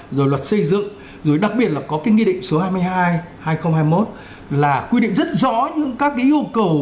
rồi luật xây dựng rồi đặc biệt là có cái nghị định số hai mươi hai hai nghìn hai mươi một là quy định rất rõ những các cái yêu cầu